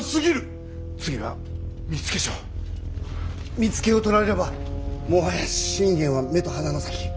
見附を取られればもはや信玄は目と鼻の先。